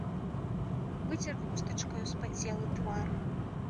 Выцер хустачкаю спацелы твар.